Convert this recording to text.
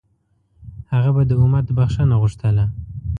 هغه به د امت بښنه غوښتله.